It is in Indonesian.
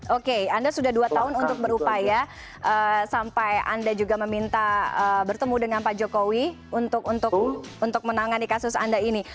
oke anda sudah dua tahun untuk berupaya sampai anda juga meminta bertemu dengan pak jokowi untuk menangani kasus anda ini